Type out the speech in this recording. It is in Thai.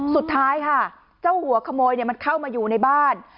สุดท้ายค่ะเจ้าหัวขโมยมันเข้ามาอยู่ในบ้าน